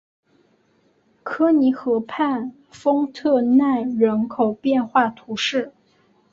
科尼河畔丰特奈人口变化图示